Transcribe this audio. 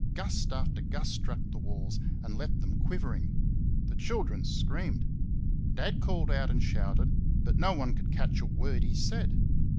Gust after gust struck the walls and left them quivering. The children screamed. Dad called and shouted, but no one could catch a word he said.